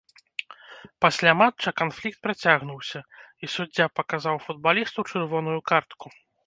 Пасля матча канфлікт працягнуўся, і суддзя паказаў футбалісту чырвоную картку.